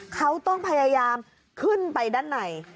เขาต้องพยายามขึ้นไปด้านใน